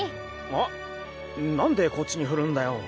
何でこっちに振るんだよ。